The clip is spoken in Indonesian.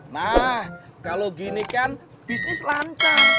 nah kalau gini kan bisnis lancar